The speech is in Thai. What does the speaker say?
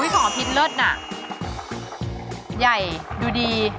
ของพิษเลิศน่ะใหญ่ดูดี